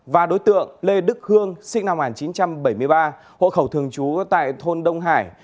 và đối tượng lê đức khương sinh năm một nghìn chín trăm bảy mươi ba hộ khẩu thường trú tại thôn đông hải